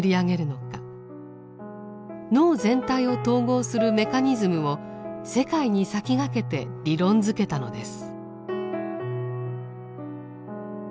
脳全体を統合するメカニズムを世界に先駆けて理論づけたのです。